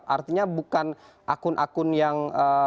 artinya bukan akun akun yang